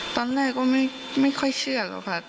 ตอนแรกก็ไม่ค่อยเชื่อกับพ่อ